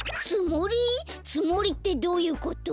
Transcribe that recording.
つもりってどういうこと？